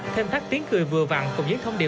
thêm thắt tiếng cười vừa vặn cùng với thông điệp